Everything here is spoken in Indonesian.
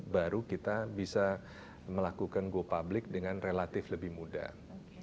baru kita bisa melakukan go public dengan relatif lebih mudah